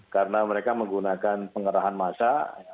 karena mereka menggunakan pengarahan massa